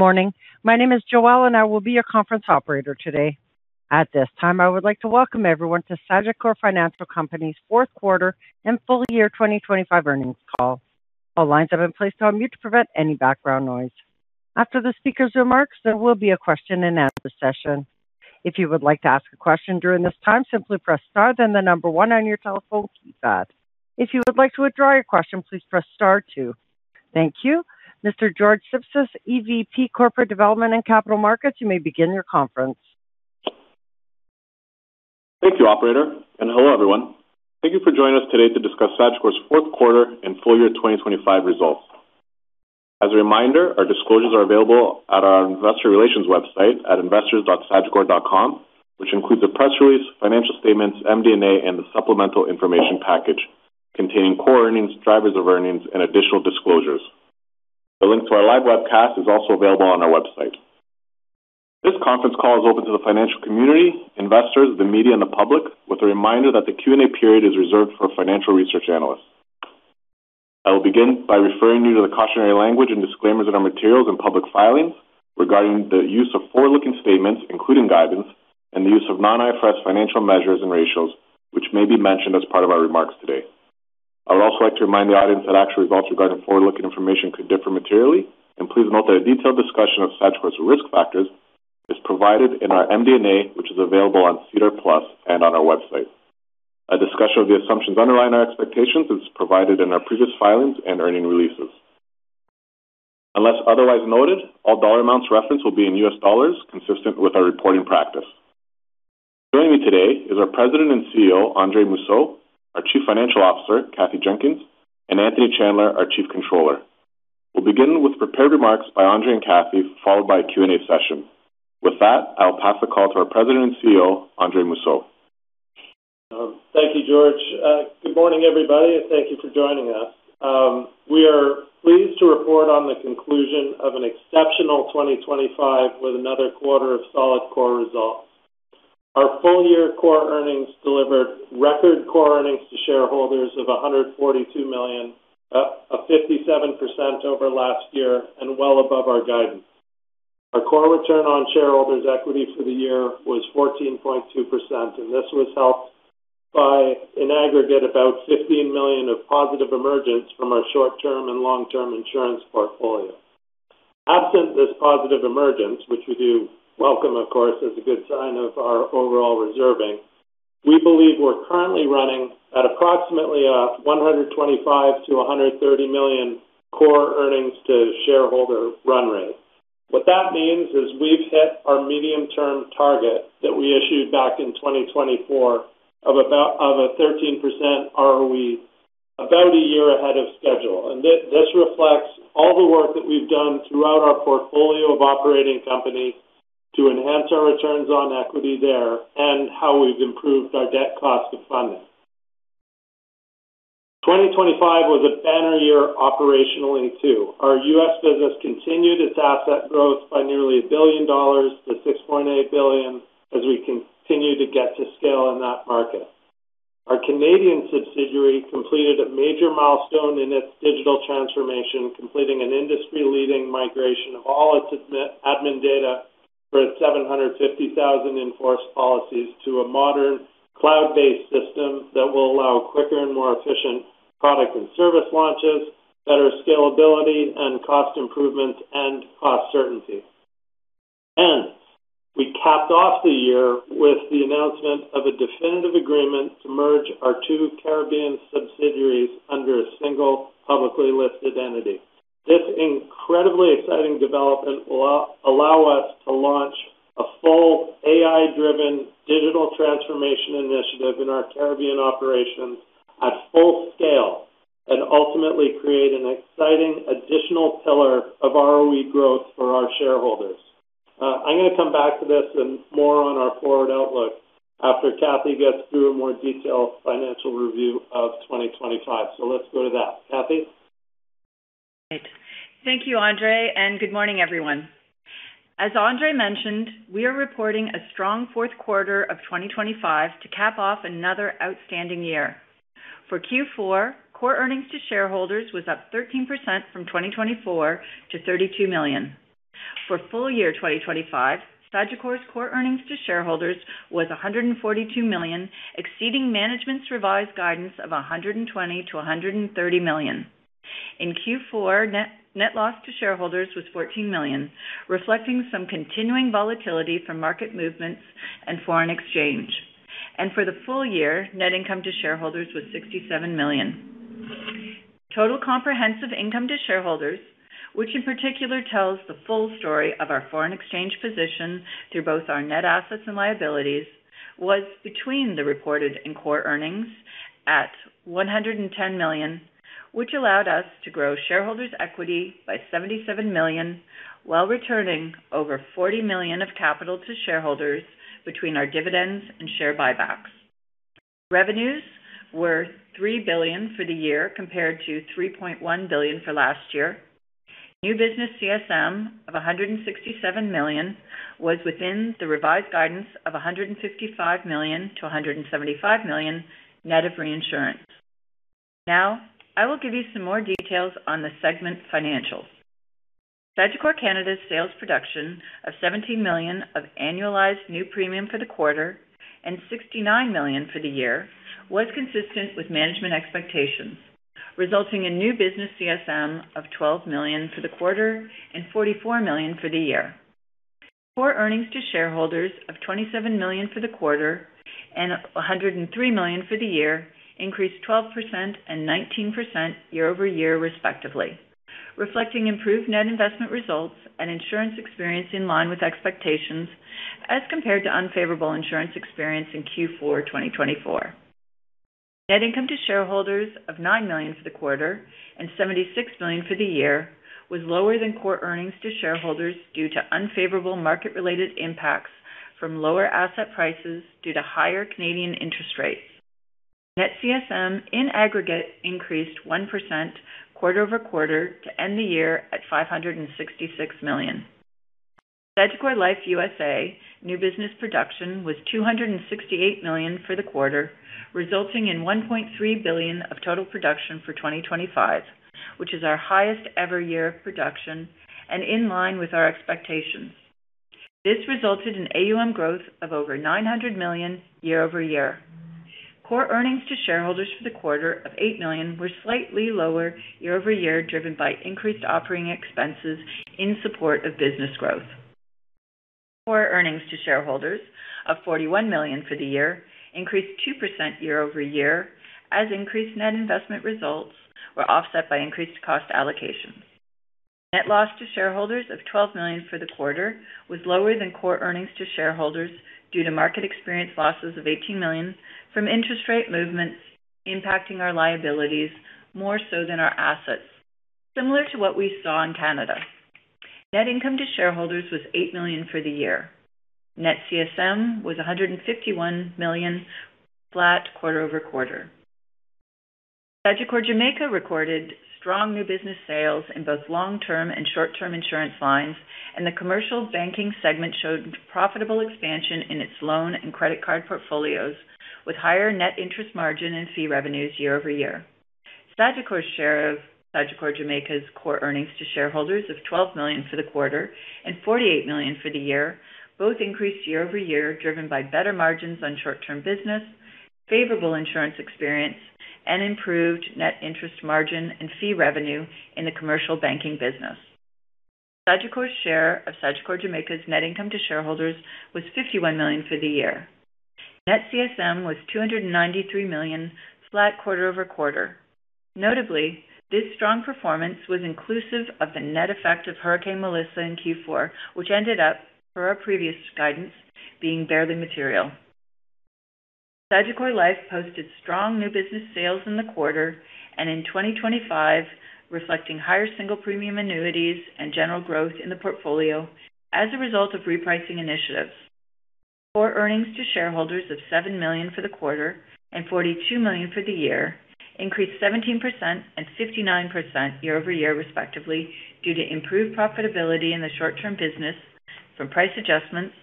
Morning. My name is Joelle, and I will be your conference operator today. At this time, I would like to welcome everyone to Sagicor Financial Company's fourth quarter and full year 2025 earnings call. All lines have been placed on mute to prevent any background noise. After the speaker's remarks, there will be a question and answer session. If you would like to ask a question during this time, simply press star, then the number 1 on your telephone keypad. If you would like to withdraw your question, please press star 2. Thank you. Mr. George Sipsis, EVP Corporate Development and Capital Markets, you may begin your conference. Thank you, operator, and hello, everyone. Thank you for joining us today to discuss Sagicor's fourth quarter and full year 2025 results. As a reminder, our disclosures are available at our investor relations website at investors.sagicor.com, which includes a press release, financial statements, MD&A, and the supplemental information package containing core earnings, drivers of earnings, and additional disclosures. The link to our live webcast is also available on our website. This conference call is open to the financial community, investors, the media, and the public with a reminder that the Q&A period is reserved for financial research analysts. I will begin by referring you to the cautionary language and disclaimers in our materials and public filings regarding the use of forward-looking statements, including guidance and the use of non-IFRS financial measures and ratios, which may be mentioned as part of our remarks today. I would also like to remind the audience that actual results regarding forward-looking information could differ materially. Please note that a detailed discussion of Sagicor's risk factors is provided in our MD&A, which is available on SEDAR+ and on our website. A discussion of the assumptions underlying our expectations is provided in our previous filings and earnings releases. Unless otherwise noted, all dollar amounts referenced will be in US dollars consistent with our reporting practice. Joining me today is our President and CEO, Andre Mousseau, our Chief Financial Officer, Kathryn Jenkins, and Anthony Chandler, our Chief Controller. We'll begin with prepared remarks by Andre and Kathryn, followed by a Q&A session. With that, I'll pass the call to our President and CEO, Andre Mousseau. Thank you, George. Good morning, everybody, and thank you for joining us. We are pleased to report on the conclusion of an exceptional 2025 with another quarter of solid core results. Our full-year core earnings delivered record core earnings to shareholders of $142 million, 57% over last year and well above our guidance. Our core return on shareholders' equity for the year was 14.2%, and this was helped by an aggregate about $15 million of positive emergence from our short-term and long-term insurance portfolio. Absent this positive emergence, which we do welcome, of course, as a good sign of our overall reserving, we believe we're currently running at approximately $125 million-$130 million core earnings to shareholder run rate. What that means is we've hit our medium-term target that we issued back in 2024 of about a 13% ROE about a year ahead of schedule. This reflects all the work that we've done throughout our portfolio of operating companies to enhance our returns on equity there and how we've improved our debt cost of funding. 2025 was a banner year operationally too. Our US business continued its asset growth by nearly $1 billion to $6.8 billion as we continue to get to scale in that market. Our Canadian subsidiary completed a major milestone in its digital transformation, completing an industry-leading migration of all its admin data for its 750,000 in-force policies to a modern cloud-based system that will allow quicker and more efficient product and service launches, better scalability and cost improvements, and cost certainty. We capped off the year with the announcement of a definitive agreement to merge our two Caribbean subsidiaries under a single publicly listed entity. This incredibly exciting development will allow us to launch a full AI-driven digital transformation initiative in our Caribbean operations at full scale and ultimately create an exciting additional pillar of ROE growth for our shareholders. I'm gonna come back to this and more on our forward outlook after Kathy gets through a more detailed financial review of 2025. Let's go to that. Kathy? Great. Thank you, Andre, and good morning, everyone. As Andre mentioned, we are reporting a strong fourth quarter of 2025 to cap off another outstanding year. For Q4, core earnings to shareholders was up 13% from 2024 to $32 million. For full year 2025, Sagicor's core earnings to shareholders was $142 million, exceeding management's revised guidance of $120-$130 million. In Q4, net loss to shareholders was $14 million, reflecting some continuing volatility from market movements and foreign exchange. For the full year, net income to shareholders was $67 million. Total comprehensive income to shareholders, which in particular tells the full story of our foreign exchange position through both our net assets and liabilities, was $110 million as reported in core earnings, which allowed us to grow shareholders' equity by $77 million while returning over $40 million of capital to shareholders between our dividends and share buybacks. Revenues were $3 billion for the year compared to $3.1 billion for last year. New business CSM of $167 million was within the revised guidance of $155 million-$175 million net of reinsurance. Now I will give you some more details on the segment financials. Sagicor Canada's sales production of $17 million of annualized new premium for the quarter and $69 million for the year was consistent with management expectations, resulting in new business CSM of $12 million for the quarter and $44 million for the year. Core earnings to shareholders of $27 million for the quarter and $103 million for the year increased 12% and 19% year-over-year respectively, reflecting improved net investment results and insurance experience in line with expectations as compared to unfavorable insurance experience in Q4 2024. Net income to shareholders of $9 million for the quarter and $76 million for the year was lower than core earnings to shareholders due to unfavorable market related impacts from lower asset prices due to higher Canadian interest rates. Net CSM in aggregate increased 1% quarter-over-quarter to end the year at $566 million. Sagicor Life USA new business production was $268 million for the quarter, resulting in $1.3 billion of total production for 2025, which is our highest ever year of production and in line with our expectations. This resulted in AUM growth of over $900 million year-over-year. Core earnings to shareholders for the quarter of $8 million were slightly lower year-over-year, driven by increased operating expenses in support of business growth. Core earnings to shareholders of $41 million for the year increased 2% year-over-year as increased net investment results were offset by increased cost allocations. Net loss to shareholders of $12 million for the quarter was lower than core earnings to shareholders due to market experience losses of $18 million from interest rate movements impacting our liabilities more so than our assets, similar to what we saw in Canada. Net income to shareholders was $8 million for the year. Net CSM was $151 million flat quarter-over-quarter. Sagicor Jamaica recorded strong new business sales in both long-term and short-term insurance lines, and the commercial banking segment showed profitable expansion in its loan and credit card portfolios with higher net interest margin and fee revenues year-over-year. Sagicor's share of Sagicor Jamaica's core earnings to shareholders of $12 million for the quarter and $48 million for the year both increased year-over-year, driven by better margins on short-term business, favorable insurance experience and improved net interest margin and fee revenue in the commercial banking business. Sagicor's share of Sagicor Jamaica's net income to shareholders was $51 million for the year. Net CSM was $293 million flat quarter-over-quarter. Notably, this strong performance was inclusive of the net effect of Hurricane Beryl in Q4, which ended up per our previous guidance being barely material. Sagicor Life posted strong new business sales in the quarter and in 2025, reflecting higher single premium annuities and general growth in the portfolio as a result of repricing initiatives. Core earnings to shareholders of $7 million for the quarter and $42 million for the year increased 17% and 59% year-over-year, respectively, due to improved profitability in the short-term business from price adjustments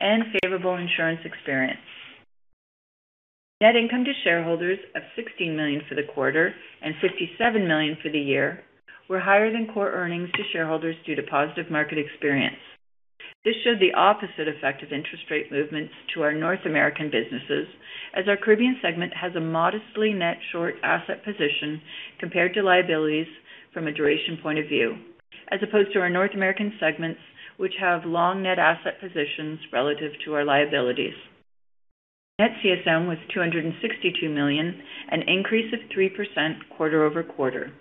and favorable insurance experience. Net income to shareholders of $16 million for the quarter and $57 million for the year were higher than core earnings to shareholders due to positive market experience. This showed the opposite effect of interest rate movements to our North American businesses, as our Caribbean segment has a modestly net short asset position compared to liabilities from a duration point of view, as opposed to our North American segments, which have long net asset positions relative to our liabilities. Net CSM was $262 million, an increase of 3% quarter-over-quarter.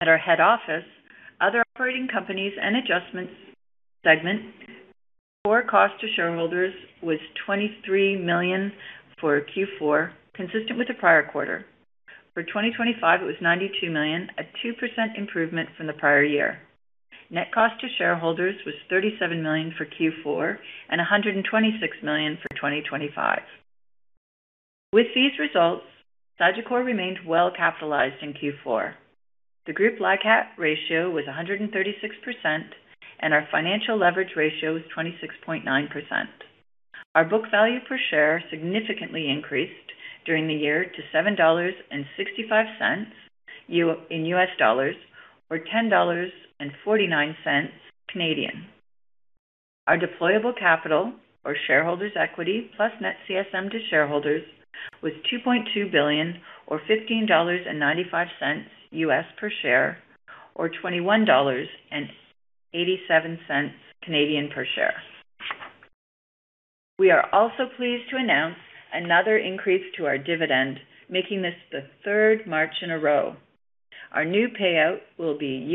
At our head office, other operating companies and adjustments segment core cost to shareholders was $23 million for Q4, consistent with the prior quarter. For 2025, it was $92 million, a 2% improvement from the prior year. Net cost to shareholders was $37 million for Q4 and $126 million for 2025. With these results, Sagicor remained well capitalized in Q4. The Group LICAT ratio was 136% and our financial leverage ratio was 26.9%. Our book value per share significantly increased during the year to $7.65 in US dollars or 10.49 Canadian dollars Canadian. Our deployable capital or shareholders equity plus net CSM to shareholders was $2.2 billion or $15.95 US per share or 21.87 Canadian dollars Canadian per share. We are also pleased to announce another increase to our dividend, making this the third March in a row. Our new payout will be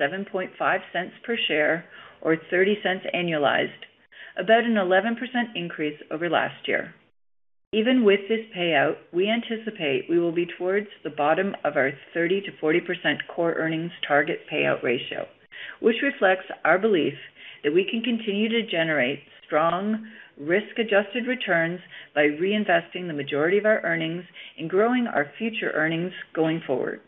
$0.075 per share or $0.30 annualized, about an 11% increase over last year. Even with this payout, we anticipate we will be towards the bottom of our 30%-40% core earnings target payout ratio, which reflects our belief that we can continue to generate strong risk-adjusted returns by reinvesting the majority of our earnings and growing our future earnings going forward.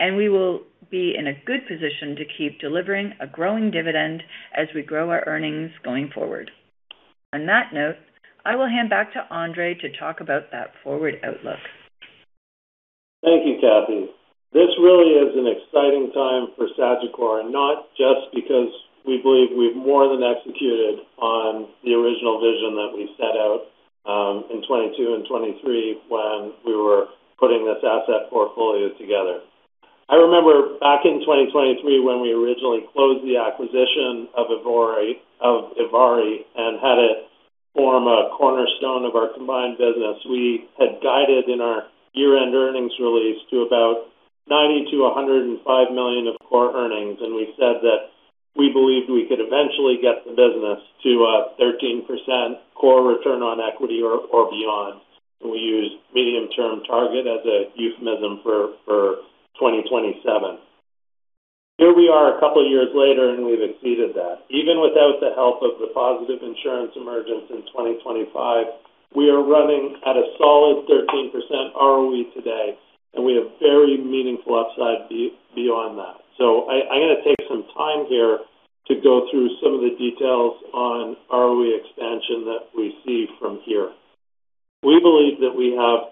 We will be in a good position to keep delivering a growing dividend as we grow our earnings going forward. On that note, I will hand back to Andre to talk about that forward outlook. Thank you, Kathy. This really is an exciting time for Sagicor, not just because we believe we've more than executed on the original vision that we set out in 2022 and 2023 when we were putting this asset portfolio together. I remember back in 2023 when we originally closed the acquisition of ivari and had it form a cornerstone of our combined business. We had guided in our year-end earnings release to about $90 million-$105 million of core earnings, and we said that we believed we could eventually get the business to 13% core return on equity or beyond. We used medium-term target as a euphemism for 2027. Here we are a couple years later, and we've exceeded that. Even without the help of the positive insurance emergence in 2025, we are running at a solid 13% ROE today, and we have very meaningful upside beyond that. I'm gonna take some time here to go through some of the details on ROE expansion that we see from here. We believe that we have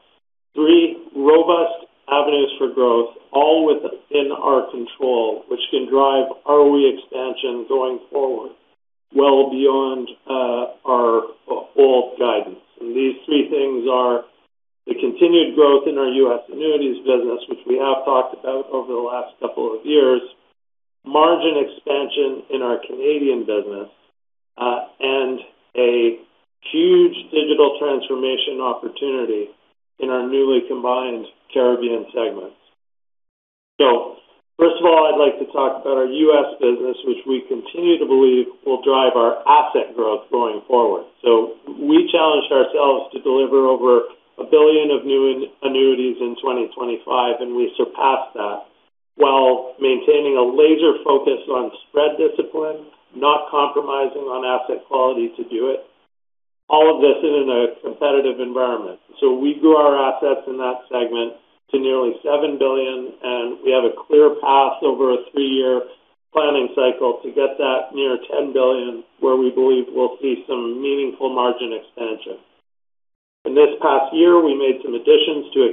three robust avenues for growth, all within our control, which can drive ROE expansion going forward, well beyond our old guidance. These three things are the continued growth in our U.S. annuities business, which we have talked about over the last couple of years, margin expansion in our Canadian business, and a huge digital transformation opportunity in our newly combined Caribbean segment. First of all, I'd like to talk about our U.S. business, which we continue to believe will drive our asset growth going forward. We challenged ourselves to deliver over $1 billion of new annuities in 2025, and we surpassed that while maintaining a laser focus on spread discipline, not compromising on asset quality to do it, all of this in a competitive environment. We grew our assets in that segment to nearly $7 billion, and we have a clear path over a 3-year planning cycle to get that near $10 billion, where we believe we'll see some meaningful margin expansion. In this past year, we made some additions to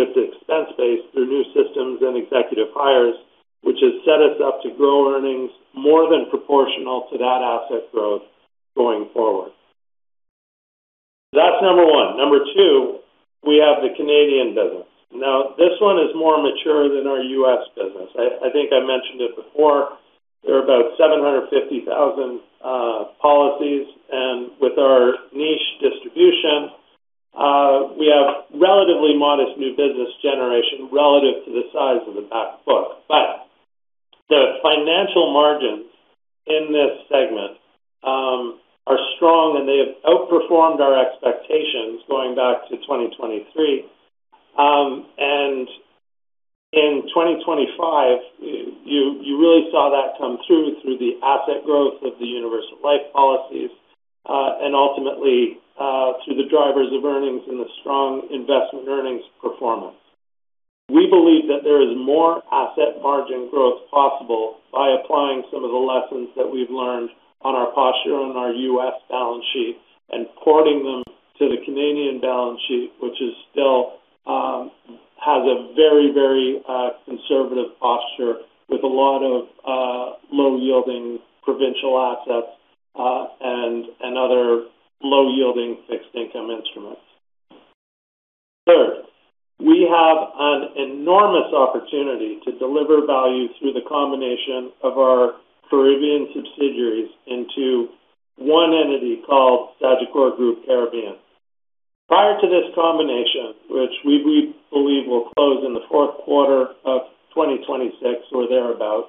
its expense base through new systems and executive hires, which has set us up to grow earnings more than proportional to that asset growth going forward. That's number 1. Number 2, we have the Canadian business. Now, this one is more mature than our U.S. business. I think I mentioned it before. There are about 750,000 policies. With our niche distribution, we have relatively modest new business generation relative to the size of the back book. The financial margins in this segment are strong, and they have outperformed our expectations going back to 2023. In 2025, you really saw that come through the asset growth of the universal life policies, and ultimately through the drivers of earnings and the strong investment earnings performance. We believe that there is more asset margin growth possible by applying some of the lessons that we've learned on our posture on our U.S. balance sheet and porting them to the Canadian balance sheet, which is still has a very conservative posture with a lot of low-yielding provincial assets and other low-yielding fixed income instruments. Third, we have an enormous opportunity to deliver value through the combination of our Caribbean subsidiaries into one entity called Sagicor Group Caribbean. Prior to this combination, which we believe will close in the fourth quarter of 2026 or thereabout,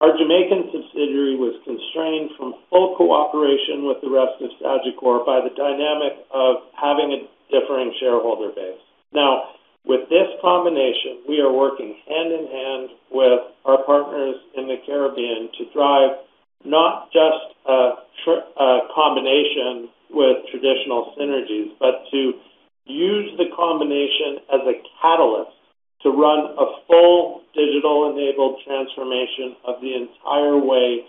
our Jamaican subsidiary was constrained from full cooperation with the rest of Sagicor by the dynamic of having a differing shareholder base. Now, with this combination, we are working hand in hand with our partners in the Caribbean to drive not just a combination with traditional synergies, but to use the combination as a catalyst to run a full digital-enabled transformation of the entire way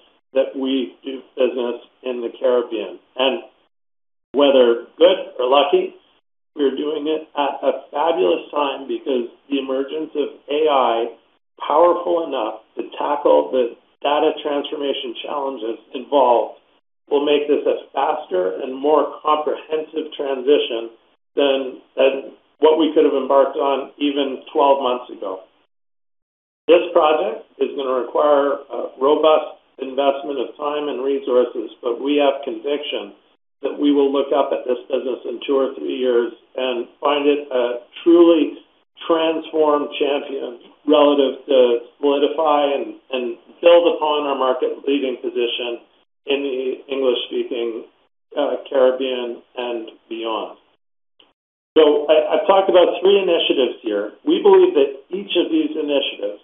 that we do business in the Caribbean. Whether good or lucky, we're doing it at a fabulous time because the emergence of AI powerful enough to tackle the data transformation challenges involved will make this a faster and more comprehensive transition than what we could have embarked on even 12 months ago. This project is gonna require a robust investment of time and resources, but we have conviction that we will look up at this business in 2 or 3 years and find it a truly transformed champion to solidify and build upon our market-leading position in the English-speaking Caribbean and beyond. I've talked about 3 initiatives here. We believe that each of these initiatives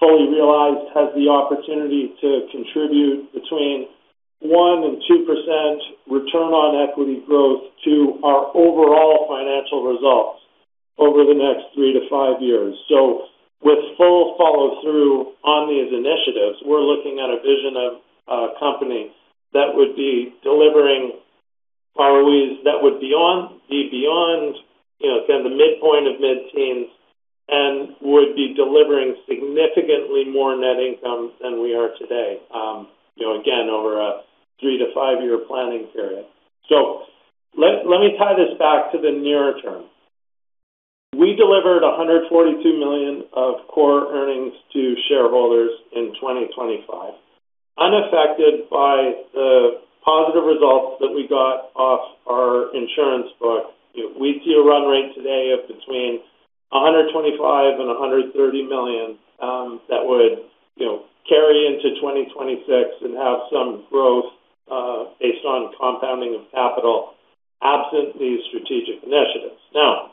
fully realized has the opportunity to contribute between 1% and 2% return on equity growth to our overall financial results over the next 3-5 years. With full follow-through on these initiatives, we're looking at a vision of a company that would be delivering ROEs that would be beyond, you know, again, the midpoint of mid-teens and would be delivering significantly more net income than we are today, you know, again, over a 3- to 5-year planning period. Let me tie this back to the near term. We delivered $142 million of core earnings to shareholders in 2025. Unaffected by the positive results that we got off our insurance book, we see a run rate today of between $125 and $130 million, that would, you know, carry into 2026 and have some growth, based on compounding of capital absent these strategic initiatives. Now,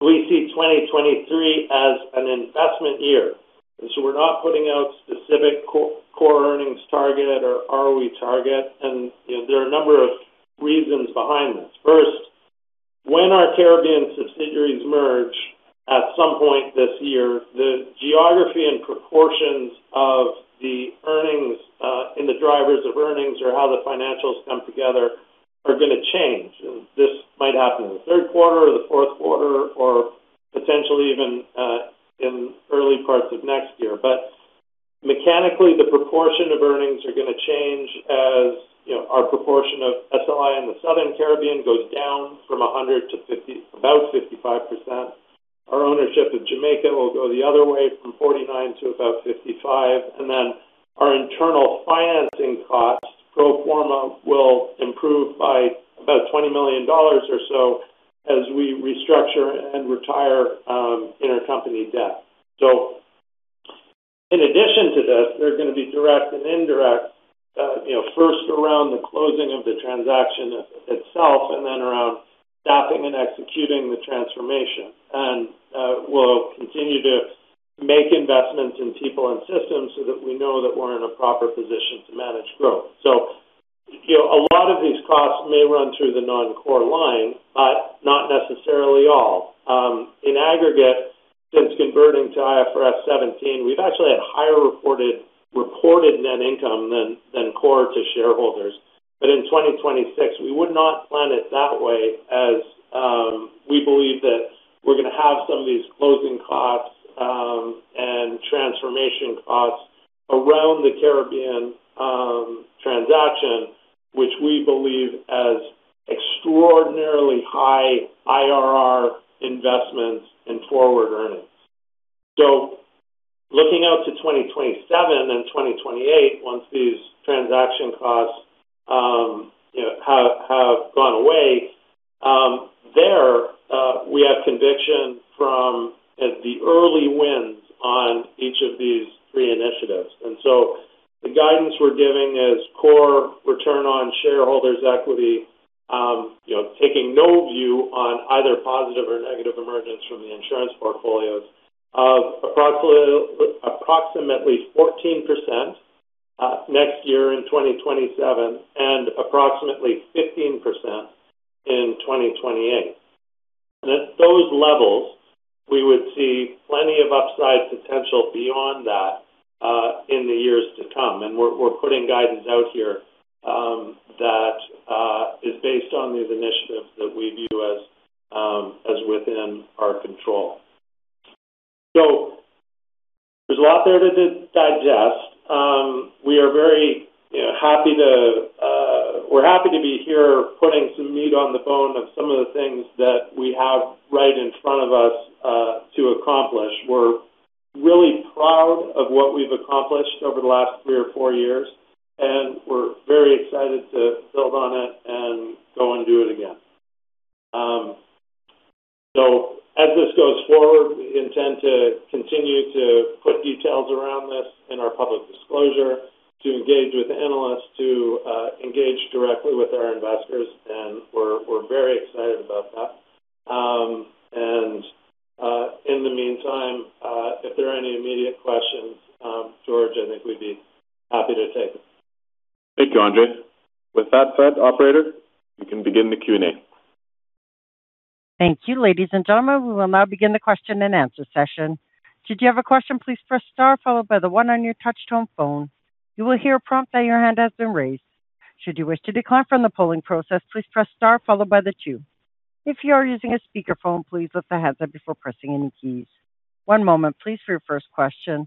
we see 2023 as an investment year, so we're not putting out specific core earnings target or ROE target. You know, there are a number of reasons behind this. First, when our Caribbean subsidiaries merge at some point this year, the geography and proportions of the earnings and the drivers of earnings or how the financials come together are gonna change. This might happen in the third quarter or the fourth quarter or potentially even in early parts of next year. Mechanically, the proportion of earnings are gonna change as, you know, our proportion of SLI in the Southern Caribbean goes down from 100 to about 55%. Our ownership of Jamaica will go the other way from 49 to about 55. Our internal financing costs pro forma will improve by about $20 million or so as we restructure and retire intercompany debt. In addition to this, there's going to be direct and indirect, you know, first around the closing of the transaction itself and then around staffing and executing the transformation. We'll continue to make investments in people and systems so that we know that we're in a proper position to manage growth. You know, a lot of these costs may run through the non-core line, but not necessarily all. In aggregate, since converting to IFRS 17, we've actually had higher reported net income than core to shareholders. In 2026, we would not plan it that way as we believe that we're going to have some of these closing costs and transformation costs around the Caribbean transaction, which we believe are extraordinarily high IRR investments in forward earnings. Looking out to 2027 and 2028, once these transaction costs you know have gone away, there we have conviction from the early wins on each of these three initiatives. The guidance we're giving is core return on shareholders' equity you know taking no view on either positive or negative emergence from the insurance portfolios of approximately 14% next year in 2027 and approximately 15% in 2028. At those levels, we would see plenty of upside potential beyond that in the years to come. We're putting guidance out here that is based on these initiatives that we view as within our control. There's a lot there to digest. We are very, you know, happy to be here putting some meat on the bone of some of the things that we have right in front of us to accomplish. We're really proud of what we've accomplished over the last three or four years, and we're very excited to build on it and go and do it again. As this goes forward, we intend to continue to put details around this in our public disclosure, to engage with analysts, to engage directly with our investors, and we're very excited about that. In the meantime, if there are any immediate questions, George, I think we'd be happy to take. Thank you, Andre. With that said, operator, you can begin the Q&A. Thank you. Ladies and gentlemen, we will now begin the question-and-answer session. Should you have a question, please press star followed by the one on your touchtone phone. You will hear a prompt that your hand has been raised. Should you wish to decline from the polling process, please press star followed by the two. If you are using a speakerphone, please lift the headset before pressing any keys. One moment please for your first question.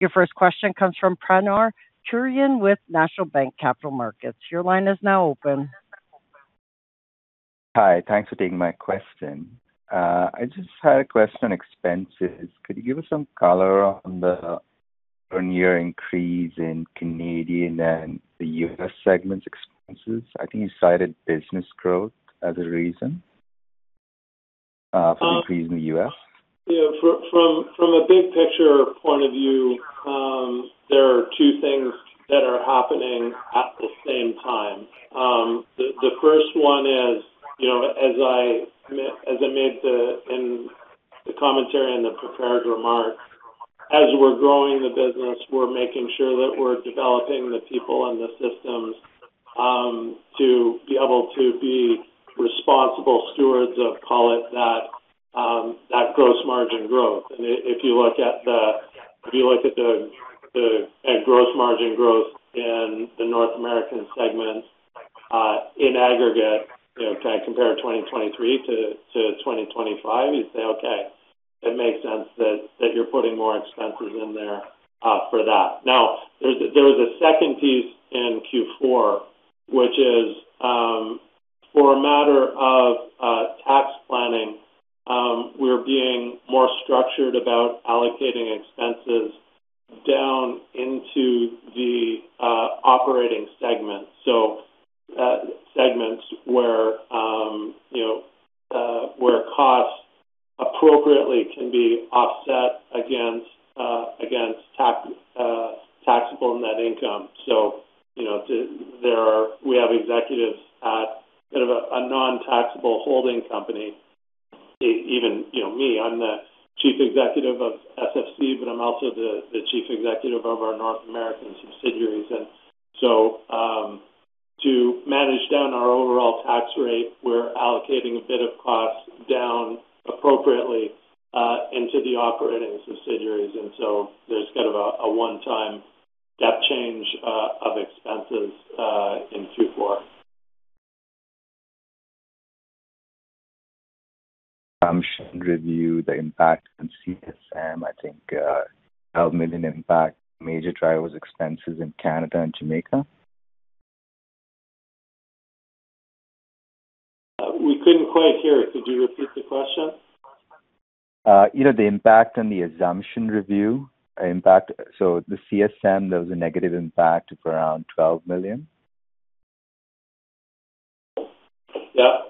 Your first question comes from Pranav Turia with National Bank Capital Markets. Your line is now open. Hi. Thanks for taking my question. I just had a question on expenses. Could you give us some color on the year-on-year increase in the Canadian and the U.S. segments' expenses? I think you cited business growth as a reason for the increase in the U.S. Yeah. From a big picture point of view, that are happening at the same time. The first one is, you know, as I made in the commentary and the prepared remarks, as we're growing the business, we're making sure that we're developing the people and the systems, to be able to be responsible stewards of, call it that gross margin growth. If you look at the gross margin growth in the North American segments, in aggregate, you know, kind of compare 2023 to 2025, you'd say, okay, it makes sense that you're putting more expenses in there, for that. There was a second piece in Q4, which is for a matter of tax planning. We're being more structured about allocating expenses down into the operating segments. Segments where you know costs appropriately can be offset against taxable net income. You know, we have executives at sort of a non-taxable holding company. Even, you know me, I'm the Chief Executive of SFC, but I'm also the Chief Executive of our North American subsidiaries. To manage down our overall tax rate, we're allocating a bit of costs down appropriately into the operating subsidiaries. There's kind of a one-time step change of expenses in Q4. Assumption review, the impact on CSM, I think, $12 million impact, major drivers expenses in Canada and Jamaica. We couldn't quite hear it. Could you repeat the question? You know, the impact on the assumption review impact. The CSM, there was a negative impact of around $12 million. Yeah.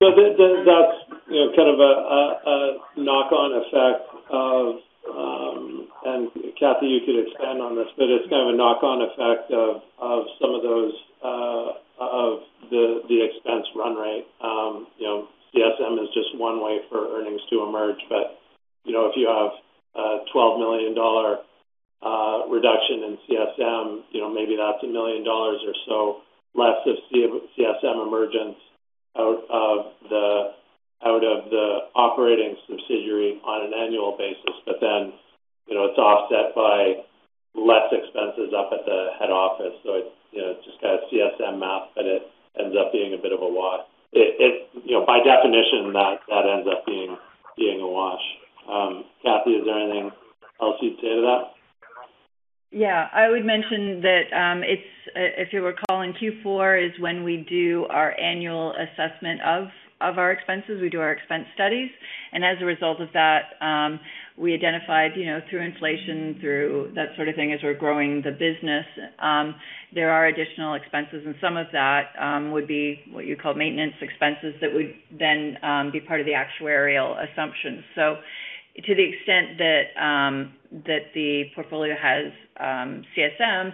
That's, you know, kind of a knock on effect of. Kathy, you could expand on this, but it's kind of a knock on effect of some of those of the expense run rate. You know, CSM is just one way for earnings to emerge. You know, if you have a $12 million reduction in CSM, you know, maybe that's $1 million or so less of CSM emergence out of the operating subsidiary on an annual basis. Then, you know, it's offset by less expenses up at the head office. It's, you know, just kind of CSM math, but it ends up being a bit of a wash. You know, by definition, that ends up being a wash. Kathy, is there anything else you'd say to that? Yeah. I would mention that it's if you recall, in Q4 is when we do our annual assessment of our expenses, we do our expense studies. As a result of that, we identified you know through inflation through that sort of thing, as we're growing the business, there are additional expenses, and some of that would be what you call maintenance expenses that would then be part of the actuarial assumptions. To the extent that the portfolio has CSM,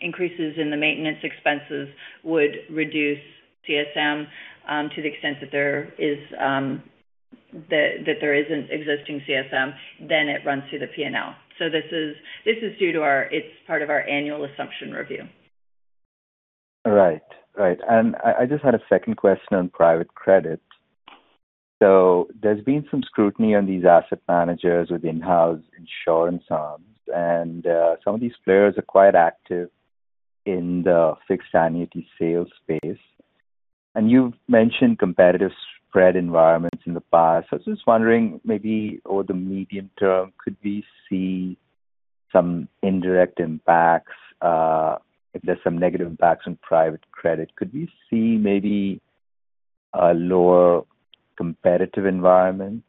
increases in the maintenance expenses would reduce CSM to the extent that there is an existing CSM, then it runs through the P&L. This is part of our annual assumption review. Right. I just had a second question on private credit. There's been some scrutiny on these asset managers with in-house insurance arms. Some of these players are quite active in the fixed annuity sales space. You've mentioned competitive spread environments in the past. I was just wondering, maybe over the medium term, could we see some indirect impacts if there's some negative impacts on private credit. Could we see maybe a lower competitive environment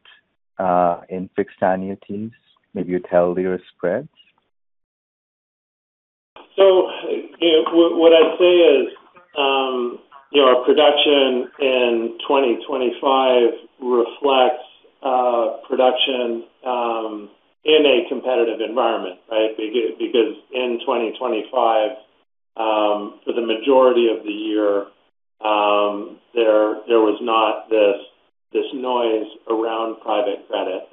in fixed annuities, maybe utility or spreads? You know, what I'd say is, you know, our production in 2025 reflects production in a competitive environment, right? Because in 2025, for the majority of the year, there was not this noise around private credit.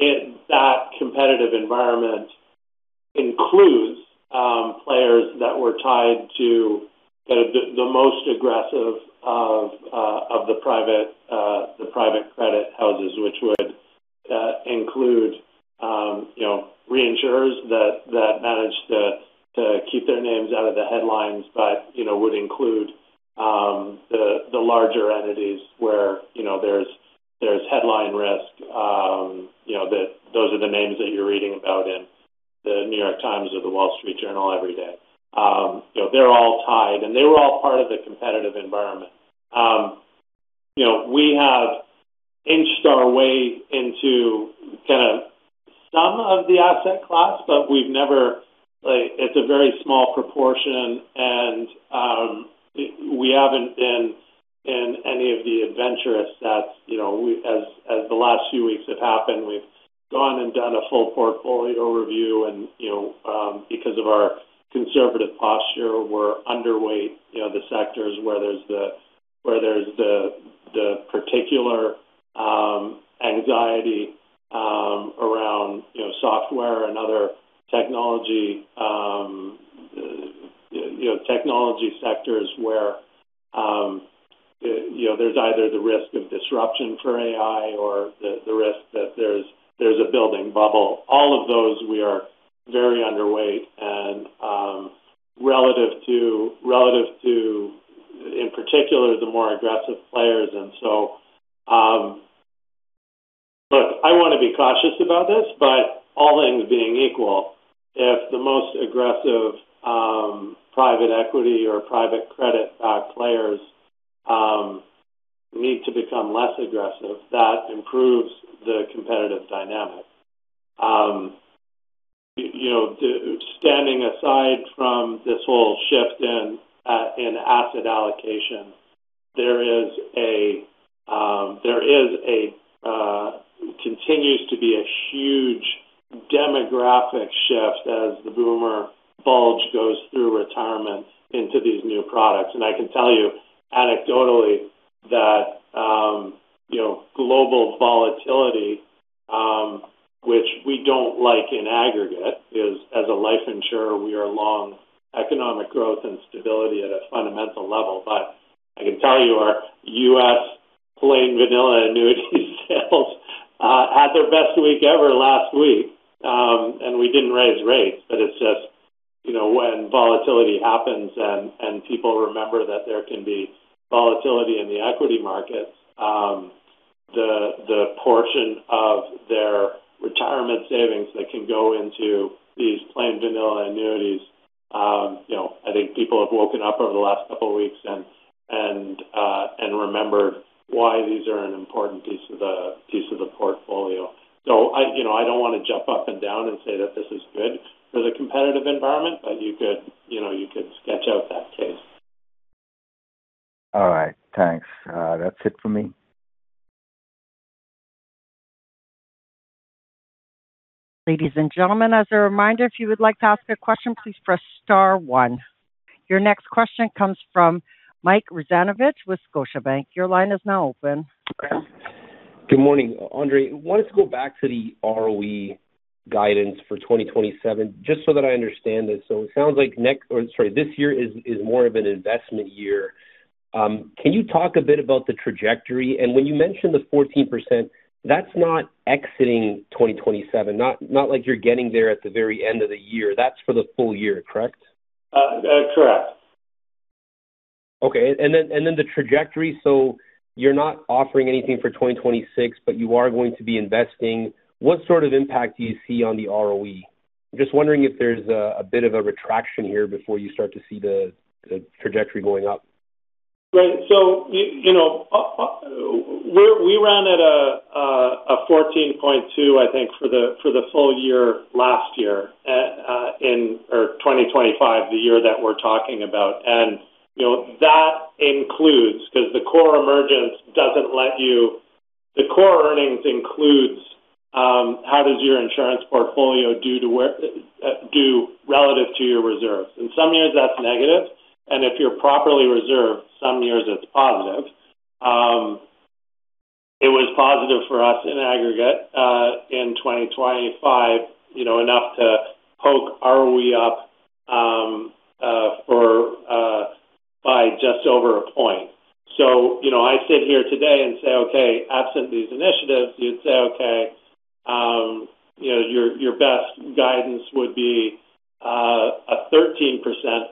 In that competitive environment includes players that were tied to kind of the most aggressive of the private credit houses, which would include, you know, reinsurers that managed to keep their names out of the headlines, but, you know, would include the larger entities where, you know, there's headline risk, you know, that those are the names that you're reading about in The New York Times or The Wall Street Journal every day. You know, they're all tied, and they were all part of the competitive environment. You know, we have inched our way into kind of some of the asset classes, but we've never, it's a very small proportion, and we haven't been in any of the adventurous assets. You know, as the last few weeks have happened, we've gone and done a full portfolio review and, you know, because of our conservative posture, we're underweight, you know, the sectors where there's the particular anxiety around, you know, software and other technology, you know, technology sectors where, you know, there's either the risk of disruption for AI or the risk that there's a building bubble. All of those we are very underweight and, relative to, in particular, the more aggressive players. Look, I wanna be cautious about this, but all things being equal, if the most aggressive private equity or private credit players need to become less aggressive, that improves the competitive dynamic. You know, standing aside from this whole shift in asset allocation, there continues to be a huge demographic shift as the boomer bulge goes through retirement into these new products. I can tell you anecdotally that, you know, global volatility, which we don't like in aggregate, is as a life insurer, we are long economic growth and stability at a fundamental level. I can tell you our U.S. plain vanilla annuity sales had their best week ever last week. We didn't raise rates, but it's just, you know, when volatility happens and people remember that there can be volatility in the equity markets, the portion of their retirement savings that can go into these plain vanilla annuities, you know, I think people have woken up over the last couple weeks and remembered why these are an important piece of the portfolio. I don't want to jump up and down and say that this is good for the competitive environment, but you could, you know, you could sketch out that case. All right, thanks. That's it for me. Ladies and gentlemen, as a reminder, if you would like to ask a question, please press star one. Your next question comes from Mike Rizvanovic with Scotiabank. Your line is now open. Good morning. Andre, I wanted to go back to the ROE guidance for 2027, just so that I understand this. It sounds like, sorry, this year is more of an investment year. Can you talk a bit about the trajectory? When you mention the 14%, that's not exiting 2027. Not like you're getting there at the very end of the year. That's for the full year, correct? That's correct. Okay. The trajectory. You're not offering anything for 2026, but you are going to be investing. What sort of impact do you see on the ROE? I'm just wondering if there's a bit of a retraction here before you start to see the trajectory going up. You know, we ran at a 14.2, I think for the full year last year in 2025, the year that we're talking about. You know, that includes because the core earnings includes how does your insurance portfolio do relative to your reserves. In some years that's negative, and if you're properly reserved, some years it's positive. It was positive for us in aggregate in 2025, you know, enough to poke ROE up by just over a point. You know, I sit here today and say, okay, absent these initiatives, you'd say, okay, you know, your best guidance would be a 13%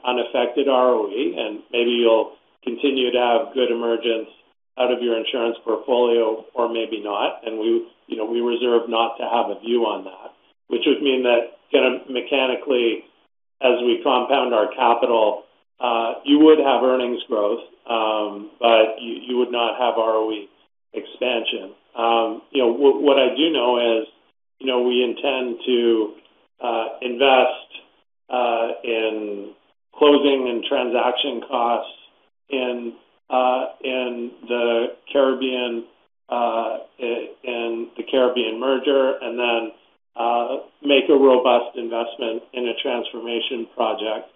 unaffected ROE. Maybe you'll continue to have good emergence out of your insurance portfolio or maybe not. We, you know, reserve not to have a view on that. Which would mean that kinda mechanically as we compound our capital, you would have earnings growth, but you would not have ROE expansion. You know, what I do know is, you know, we intend to invest in closing and transaction costs in the Caribbean merger, and then make a robust investment in a transformation project.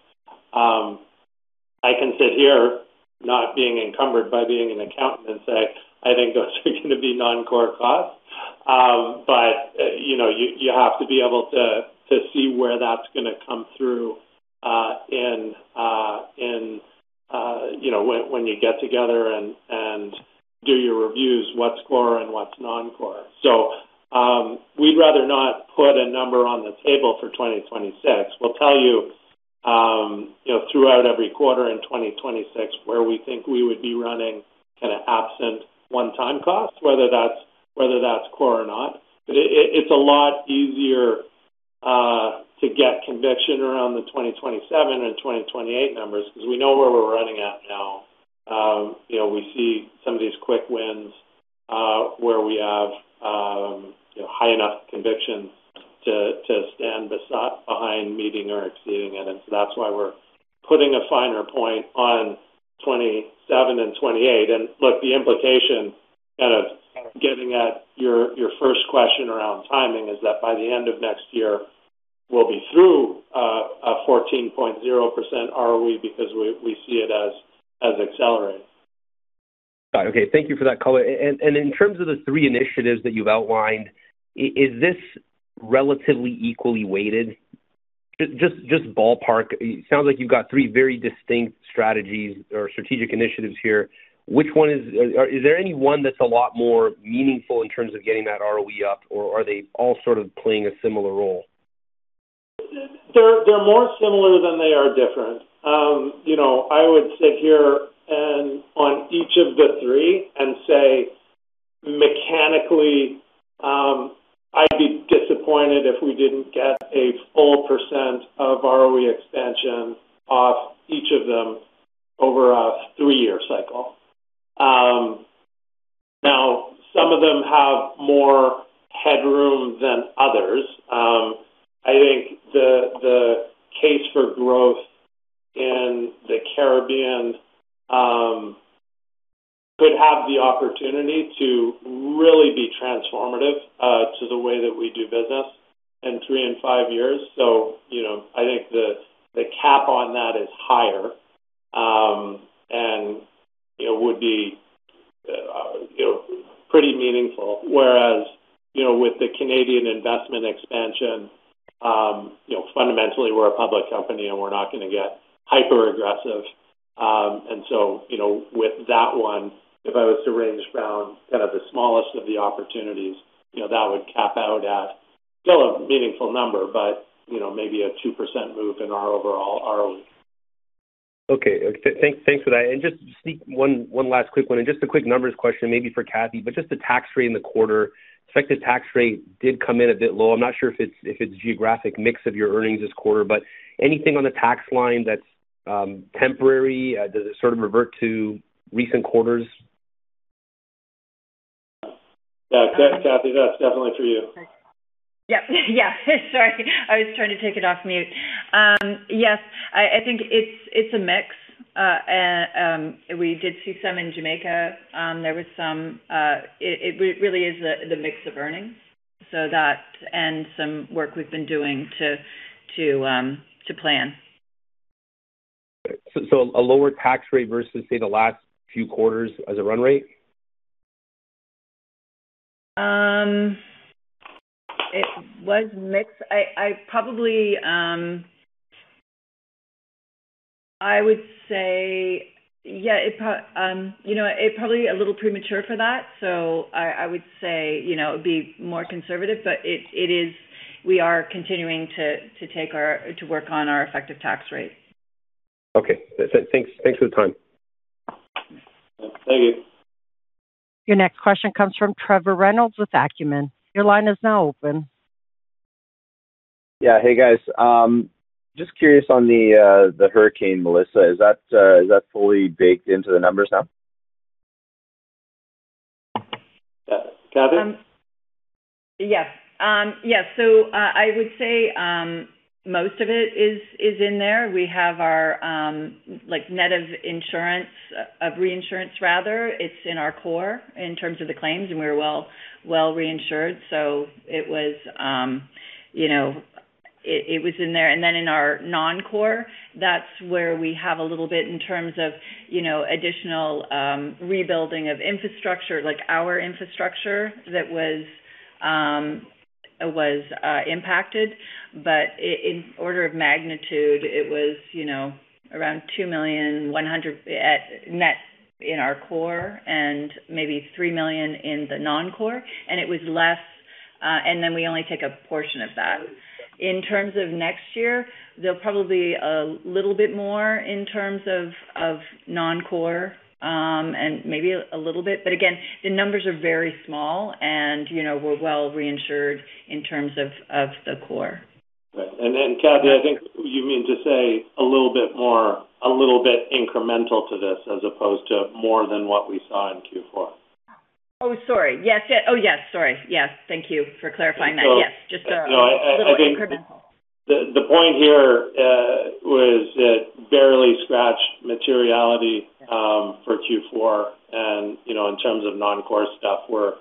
I can sit here not being encumbered by being an accountant and say, I think those are gonna be non-core costs. You have to be able to see where that's gonna come through in you know when you get together and do your reviews, what's core and what's non-core. We'd rather not put a number on the table for 2026. We'll tell you you know throughout every quarter in 2026 where we think we would be running kinda absent one-time costs, whether that's core or not. It's a lot easier to get conviction around the 2027 and 2028 numbers because we know where we're running at now. You know we see some of these quick wins where we have enough conviction to stand behind meeting or exceeding it. That's why we're putting a finer point on 2027 and 2028. Look, the implication, kind of getting at your first question around timing is that by the end of next year, we'll be through a 14.0% ROE because we see it as accelerating. Got it. Okay. Thank you for that color. In terms of the three initiatives that you've outlined, is this relatively equally weighted? Just ballpark. It sounds like you've got three very distinct strategies or strategic initiatives here. Is there any one that's a lot more meaningful in terms of getting that ROE up, or are they all sort of playing a similar role? They're more similar than they are different. You know, I would sit here and on each of the three and say, mechanically, I'd be disappointed if we didn't get 1% ROE expansion off each of them over a 3-year cycle. Now some of them have more headroom than others. I think the case for growth in the Caribbean could have the opportunity to really be transformative to the way that we do business in 3 and 5 years. You know, I think the cap on that is higher, and it would be, you know, pretty meaningful. Whereas, you know, with the Canadian investment expansion, you know, fundamentally, we're a public company, and we're not gonna get hyper aggressive. with that one, if I was to range around kind of the smallest of the opportunities, you know, that would cap out at still a meaningful number, but, you know, maybe a 2% move in our overall ROE. Okay. Thanks for that. Just sneak one last quick one and just a quick numbers question, maybe for Kathy, but just the tax rate in the quarter. Effective tax rate did come in a bit low. I'm not sure if it's geographic mix of your earnings this quarter, but anything on the tax line that's temporary? Does it sort of revert to recent quarters? Yeah. Kathy, that's definitely for you. Yep. Yeah. Sorry. I was trying to take it off mute. Yes, I think it's a mix. We did see some in Jamaica. There was some. It really is the mix of earnings. That and some work we've been doing to plan. a lower tax rate versus, say, the last few quarters as a run rate? It was mixed. I would say, yeah, you know, it probably a little premature for that, so I would say, you know, it'd be more conservative. We are continuing to work on our effective tax rate. Okay. That's it. Thanks for the time. Thank you. Your next question comes from Trevor Reynolds with Acumen. Your line is now open. Yeah. Hey, guys. Just curious on the Hurricane Beryl. Is that fully baked into the numbers now? Ka-Kathy? Yes. Yes. I would say most of it is in there. We have our, like, net of insurance, of reinsurance rather. It's in our core in terms of the claims, and we're well reinsured. It was, you know, it was in there. In our non-core, that's where we have a little bit in terms of, you know, additional rebuilding of infrastructure, like our infrastructure that was impacted. In order of magnitude, it was, you know, around $2.1 million net in our core and maybe $3 million in the non-core, and it was less, and then we only take a portion of that. In terms of next year, there'll probably a little bit more in terms of non-core, and maybe a little bit. Again, the numbers are very small and, you know, we're well reinsured in terms of the core. Right. Kathy, I think you mean to say a little bit more, a little bit incremental to this as opposed to more than what we saw in Q4. Sorry. Yes. Thank you for clarifying that. So, you know, I, I think- Little incremental. The point here was it barely scratched materiality for Q4. You know, in terms of non-core stuff, we're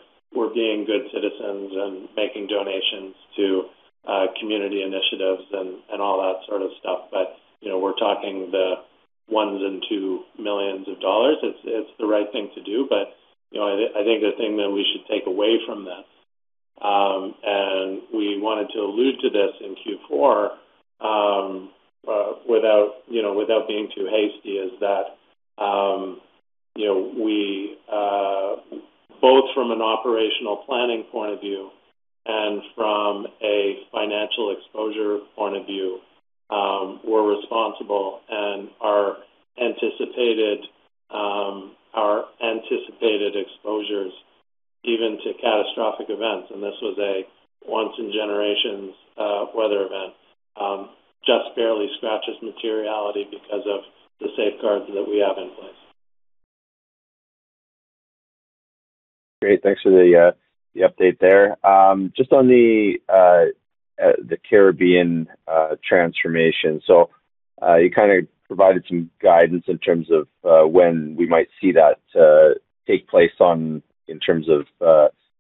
being good citizens and making donations to community initiatives and all that sort of stuff. You know, we're talking $1 million and $2 million. It's the right thing to do. You know, I think the thing that we should take away from this, and we wanted to allude to this in Q4, without you know without being too hasty, is that, you know, we both from an operational planning point of view and from a financial exposure point of view, we're responsible and our anticipated exposures even to catastrophic events, and this was a once in generations weather event, just barely scratches materiality because of the safeguards that we have in place. Great. Thanks for the update there. Just on the Caribbean transformation. You kind of provided some guidance in terms of when we might see that take place in terms of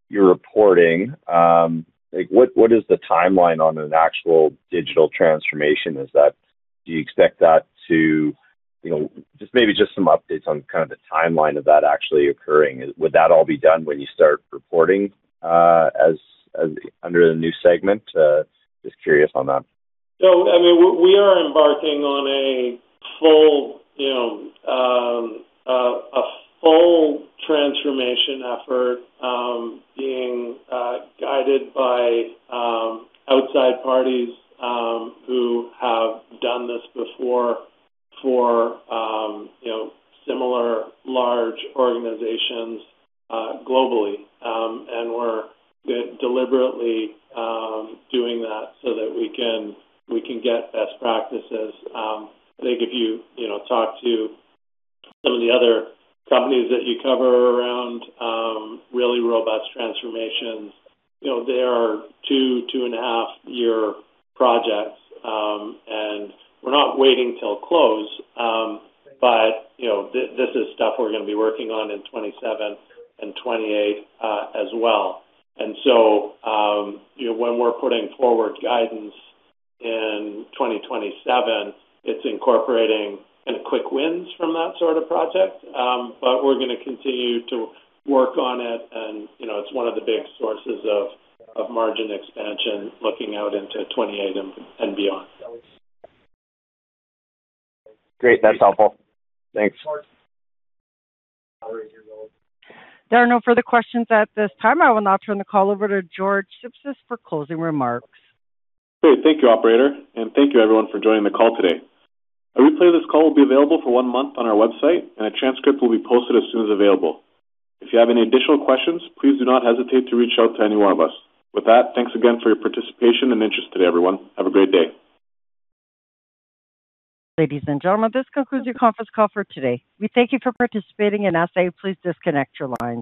your reporting. Like what is the timeline on an actual digital transformation? Is that? Do you expect that to, you know? Just maybe some updates on kind of the timeline of that actually occurring. Would that all be done when you start reporting as under the new segment? Just curious on that. I mean, we are embarking on a full transformation effort, being guided by outside parties who have done this before for you know, similar large organizations globally. We're deliberately doing that so that we can get best practices. Like if you you know, talk to some of the other companies that you cover around really robust transformations, you know, they are two and a half year projects. We're not waiting till close. You know, this is stuff we're gonna be working on in 2027 and 2028 as well. You know, when we're putting forward guidance in 2027, it's incorporating any quick wins from that sort of project. We're gonna continue to work on it and, you know, it's one of the big sources of margin expansion looking out into 2028 and beyond. Great. That's helpful. Thanks. There are no further questions at this time. I will now turn the call over to George Sipsis for closing remarks. Great. Thank you, operator, and thank you everyone for joining the call today. A replay of this call will be available for one month on our website, and a transcript will be posted as soon as available. If you have any additional questions, please do not hesitate to reach out to any one of us. With that, thanks again for your participation and interest today, everyone. Have a great day. Ladies and gentlemen, this concludes your conference call for today. We thank you for participating and ask that you please disconnect your lines.